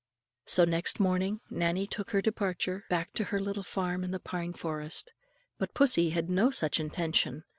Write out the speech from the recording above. So next morning Nannie took her departure, back to her little farm in the pine forest. But pussy had no such intention.